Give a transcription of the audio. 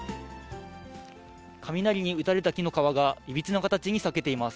雷に打たれた木の皮がいびつな形に裂けています。